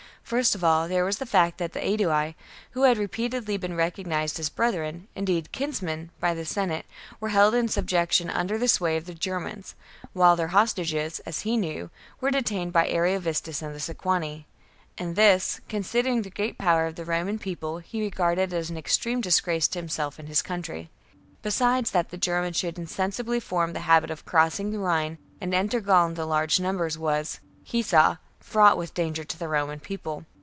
First of all, there was the fact that the Aedui, who had repeatedly been recognized as Brethren, indeed kinsmen, by the Senate, were held in subjection under the sway of the Germans, while their hostages, as he knew, were detained by Ariovistus and the Sequani; and this, considering the great power of the Roman People, he regarded as an extreme disgrace to himself and his country. Besides, that the Germans should insensibly form the habit of crossing the Rhine, and enter Gaul in large numbers was, he saw, fraught with danger to the Roman People.